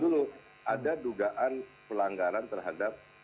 dulu ada dugaan pelanggaran terhadap